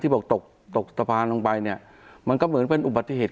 บอกตกตกสะพานลงไปเนี่ยมันก็เหมือนเป็นอุบัติเหตุ